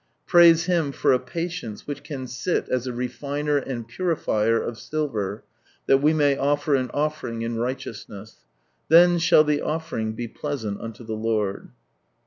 Praise Him for a patience which can sit as a refiner and purifier of silver, that we may offer an offering in righteousness, " then shall the offering ... be pleasant unto the Lord."